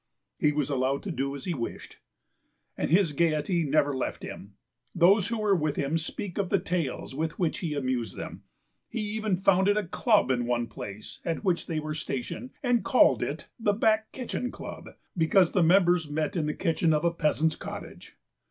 He was allowed to do as he wished. And his gaiety never left him. Those who were with him speak of the tales with which he amused them. He even founded a club in one place at which they were stationed, and called it the Back Kitchen Club, because the members met in the kitchen of a peasant's cottage.